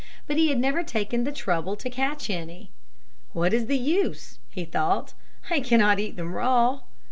But he had never taken the trouble to catch any. "What is the use?" he thought. "I cannot eat them raw."